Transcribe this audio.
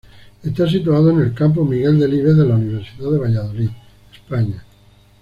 Está situado en el Campus Miguel Delibes de la Universidad de Valladolid, España.